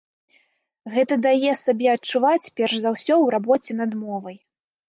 Гэта дае сабе адчуваць перш за ўсё ў рабоце над мовай.